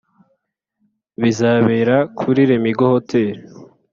bizabera kuri Lemigo Hotel